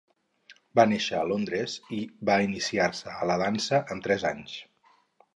Va néixer a Londres i va iniciar-se a la dansa amb tres anys.